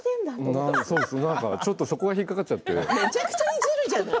ちょっとそこが引っ掛かってしまってね。